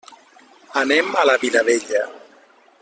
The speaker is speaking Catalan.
Anem a la Vilavella.